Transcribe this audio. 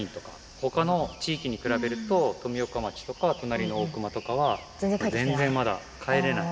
ほかの地域に比べると、富岡町とか、隣の大熊とかは、全然まだ帰れない。